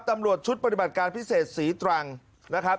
ตำรวจชุดปฏิบัติการพิเศษศรีตรังนะครับ